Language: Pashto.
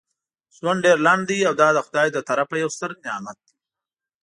ژوند ډیر لنډ دی او دا دخدای له طرفه یو ستر نعمت دی.